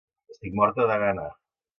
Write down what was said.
Estic morta de gana.